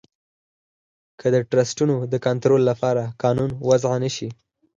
که د ټرسټونو د کنترول لپاره قانون وضعه نه شي.